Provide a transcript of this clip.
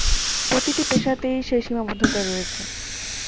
প্রতিটা পেশাতেই সেই সীমাবদ্ধতা রয়েছে।